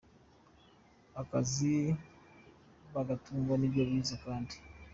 akazi, bagatungwa n’ibyo bize kandi.